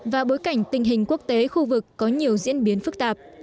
và bối cảnh tình hình quốc tế khu vực có nhiều diễn biến phức tạp